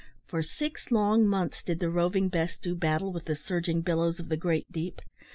For six long months did the Roving Bess do battle with the surging billows of the great deep.